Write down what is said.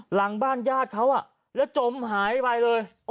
หลังบ้านญาติเขาแล้วจมหายไปเลย